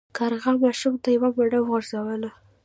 کارغه ماشوم ته یوه مڼه وغورځوله.